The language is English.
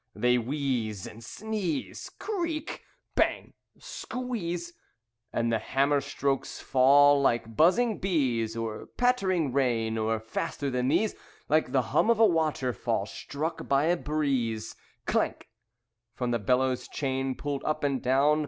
They wheeze, And sneeze, Creak! Bang! Squeeze! And the hammer strokes fall like buzzing bees Or pattering rain, Or faster than these, Like the hum of a waterfall struck by a breeze. Clank! from the bellows chain pulled up and down.